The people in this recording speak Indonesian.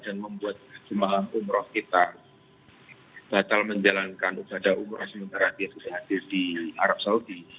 dan membuat semaa umroh kita bakal menjalankan pada umroh sementara dia sudah hadir di arab saudi